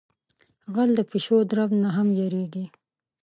غل د پیشو درب نہ ھم یریگی.